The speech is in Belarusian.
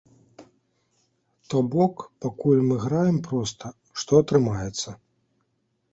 То бок, пакуль мы граем проста, што атрымаецца.